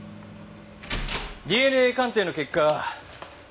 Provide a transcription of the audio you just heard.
ＤＮＡ鑑定の結果